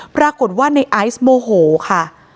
ปรากฏว่าในไอซ์โมโหค่ะ